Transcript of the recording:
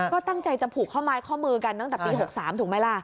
ก็ตั้งใจจะผูกข้อไม้ข้อมือกันตั้งแต่ปี๖๓ถูกไหมล่ะ